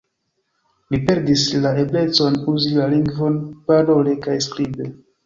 Li perdis la eblecon uzi la lingvon parole kaj skribe.